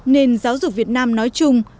nền giáo dục việt nam nói chung